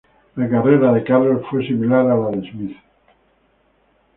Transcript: La carrera de Carlos fue similar a la de Smith.